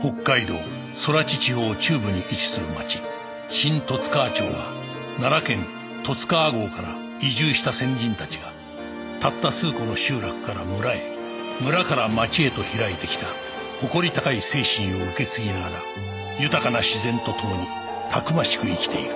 北海道空知地方中部に位置する町新十津川町は奈良県十津川郷から移住した先人たちがたった数個の集落から村へ村から町へと拓いてきた誇り高い精神を受け継ぎながら豊かな自然と共にたくましく生きている